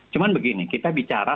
cuman begini kita bicara